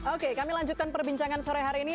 oke kami lanjutkan perbincangan sore hari ini